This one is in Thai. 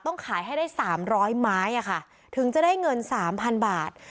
ต้องขายให้ได้สามร้อยไม้อะค่ะถึงจะได้เงินสามพันบาท